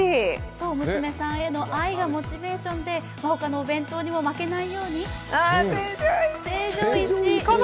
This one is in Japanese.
そう、娘さんへの愛がモチベーションで、他のお弁当にも負けないように。